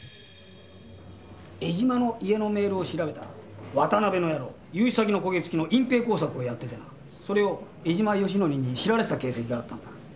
江島の家のメールを調べたら渡辺の野郎融資先の焦げつきの隠蔽工作をやっててなそれを江島義紀に知られてた形跡があったんだ。